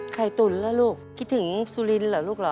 ตุ๋นล่ะลูกคิดถึงสุรินทร์เหรอลูกเหรอ